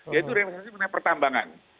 yaitu realisasi pertambangan